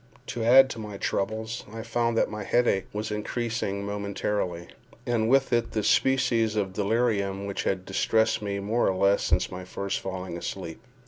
To add to my troubles, I found that my headache was increasing momentarily, and with it the species of delirium which had distressed me more or less since my first falling asleep.